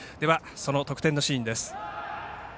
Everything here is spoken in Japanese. その得点のシーンです。